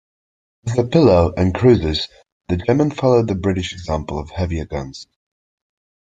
With the "Pillau" and cruisers the Germans followed the British example of heavier guns.